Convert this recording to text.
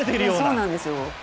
そうなんですよ。